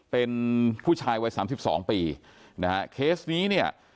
เป็นผู้ชายวัยสามสิบสองปีนะฮะเคสนี้เนี่ย